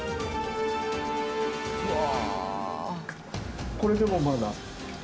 うわ！